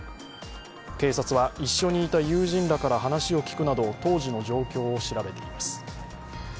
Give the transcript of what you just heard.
警察は、一緒にいた友人らから話を聞くなど当時の状況を調べています。